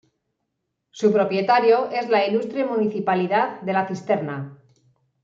Su propietario es la Ilustre Municipalidad de La Cisterna.